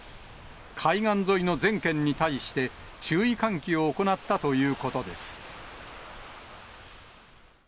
海岸沿いの全県に対して、注意喚起を行ったということです。